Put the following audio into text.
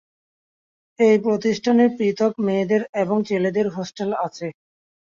এই প্রতিষ্ঠানের পৃথক মেয়েদের এবং ছেলেদের হোস্টেল আছে।